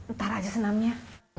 ntar aja senamnya